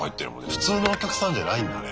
普通のお客さんじゃないんだね。